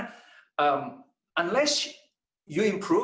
jika anda tidak meningkat